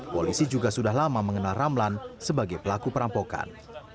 polisi juga sudah lama mengenal ramlan sebagai pelaku perampokan